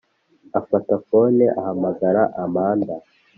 afata fone ahamagara amanda